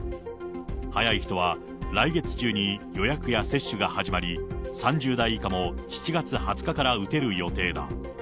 早い人は来月中に予約や接種が始まり、３０代以下も７月２０日から打てる予定だ。